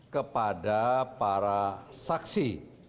kepada para saksi